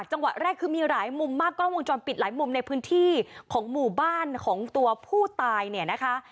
จังหวะแรกคือมีหลายมุมมากกล้องวงจรปิดหลายมุมในพื้นที่ของหมู่บ้านของตัวผู้ตายเนี่ยนะคะ